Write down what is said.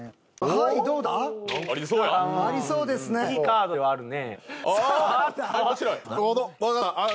いいカードではあるね。